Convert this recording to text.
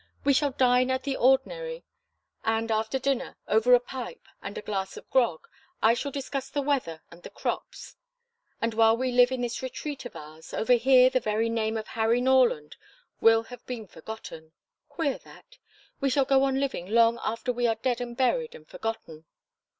We shall dine at the ordinary, and, after dinner, over a pipe and a glass of grog, I shall discuss the weather and the crops. And while we live in this retreat of ours, over here the very name of Harry Norland will have been forgotten. Queer, that! We shall go on living long after we are dead and buried and forgotten.